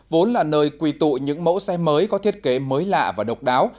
vốn là nơi quỳ tụ những mẫu xe mới có thiết kế mới lạ và độc đáo